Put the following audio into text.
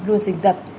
luôn dình dập